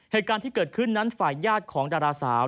เหตุการณ์ที่เกิดขึ้นนั้นฝ่ายญาติของดาราสาว